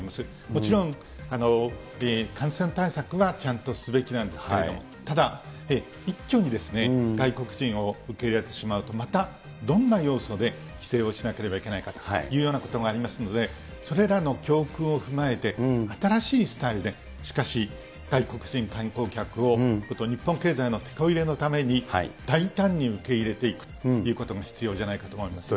もちろん、感染対策はちゃんとすべきなんですけれども、ただ、一挙に外国人を受け入れてしまうと、またどんな要素で規制をしなければいけないかというようなことがありますので、それらの教訓を踏まえて、新しいスタイルで、しかし外国人観光客を日本経済のテコ入れのために大胆に受け入れていくということが必要じゃないかと思います。